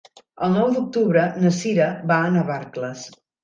El nou d'octubre na Cira va a Navarcles.